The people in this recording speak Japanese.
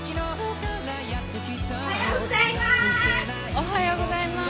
・おはようございます。